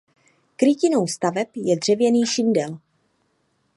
Krytinou staveb je dřevěný šindel.